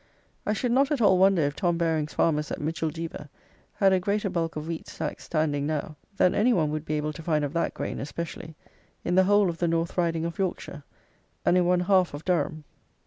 I should not at all wonder if Tom Baring's farmers at Micheldever had a greater bulk of wheat stacks standing now than any one would be able to find of that grain, especially, in the whole of the North Riding of Yorkshire, and in one half of Durham.